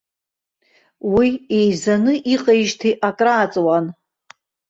Уи еизаны иҟеижьҭеи акрааҵуан.